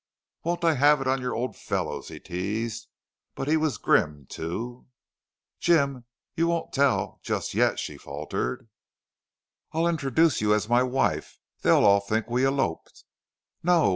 "Won't I have it on your old fellows!" he teased. But he was grim, too. "Jim! You won't tell just yet!" she faltered. "I'll introduce you as my wife! They'll all think we eloped." "No.